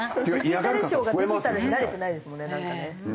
デジタル庁がデジタルに慣れてないですもんねなんかね。